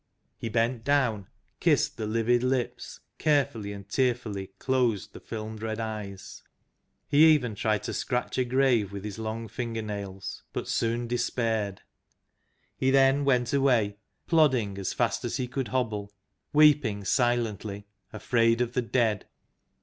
He bent down, kissed the livid lips, carefully and tearfully closed the filmed red eyes. He even tried to scratch a grave with his long finger nails, but soon despaired. He then went away, plodding as fast as he could hobble, weeping silently, afraid of the Dead.